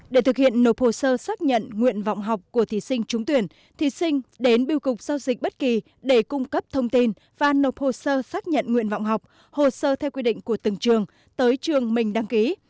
để thực hiện nộp hồ sơ xác nhận nguyện vọng học của thí sinh trúng tuyển thí sinh đến biêu cục giao dịch bất kỳ để cung cấp thông tin và nộp hồ sơ xác nhận nguyện vọng học hồ sơ theo quy định của từng trường tới trường mình đăng ký